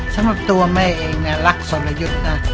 สำหรับตัวแม่เองเนี่ยรักสรยุทธ์นะ